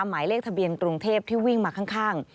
หมายเลขทะเบียนกรุงเทพที่วิ่งมาข้าง